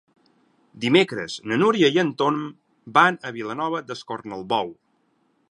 Dimecres na Núria i en Tom van a Vilanova d'Escornalbou.